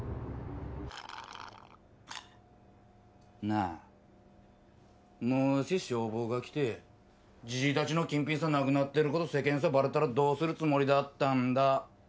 なあもし消防が来てじじいたちの金品さなくなってる事世間さバレたらどうするつもりだったんだ？